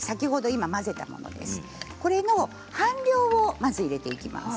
今、混ぜたものを半量をまず入れていきます。